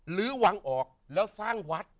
วังออกแล้วสร้างวัด